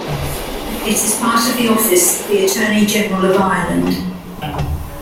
It is part of the office of the Attorney General of Ireland.